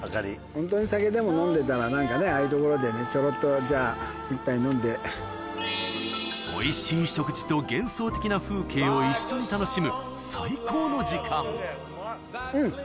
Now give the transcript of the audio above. ホントに酒でも飲んでたら何かねああいうところでちょろっとじゃあ一杯飲んで。を一緒に楽しむ最高の時間うん！